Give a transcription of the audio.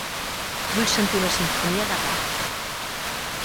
Vull sentir una simfonia de Raf